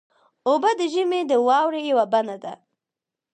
اوبه د ژمي د واورې یوه بڼه ده.